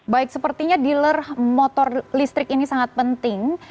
baik sepertinya dealer motor listrik ini sangat penting